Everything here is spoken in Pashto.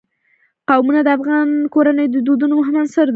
قومونه د افغان کورنیو د دودونو مهم عنصر دی.